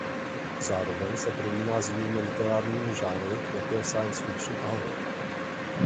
Zároveň se prolíná s jinými literárními žánry jako je science fiction a horor.